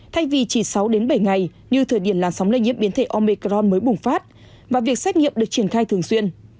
thay vì chỉ sáu đến bảy ngày như thời điểm làn sóng lây nhiễm biến thể omecron mới bùng phát và việc xét nghiệm được triển khai thường xuyên